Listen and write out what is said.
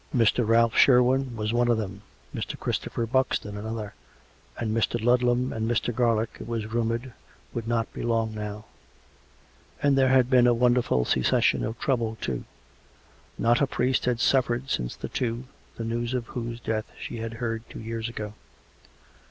Mr. Ralph Sherwine was one of them; Mr. Christopher Buxton an other; and Mr. Ludlam and Mr. Garlick, it was rumoured, would not be long now. ... And there had been a won derful cessation of trouble, too. Not a priest had suffered since the two, the news of whose death she had heard two years ago.